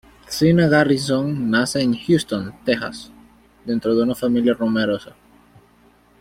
Zina Garrison nace en Houston, Tejas, dentro de una familia numerosa.